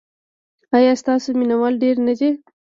ایا ستاسو مینه وال ډیر نه دي؟